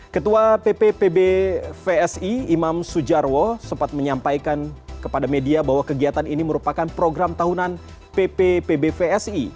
ketua pp pbvsi imam sujarwo sempat menyampaikan kepada media bahwa kegiatan ini merupakan program tahunan pp pbvsi